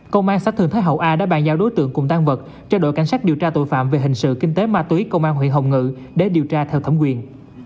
công an xã thường thế hậu a đã bàn giao đối tượng cùng tan vật cho đội cảnh sát điều tra tội phạm về hình sự kinh tế ma túy công an huyện hồng ngự để điều tra theo thẩm quyền